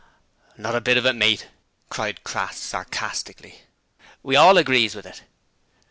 'Not a bit of it, mate,' cried Crass, sarcastically. 'We all agrees with it.'